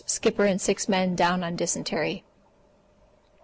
Skipper and six men down on dysentery.